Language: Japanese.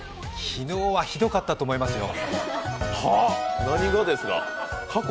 昨日は、ひどかったと思いますよ。